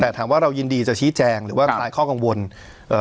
แต่ถามว่าเรายินดีจะชี้แจงหรือว่าคลายข้อกังวลเอ่อ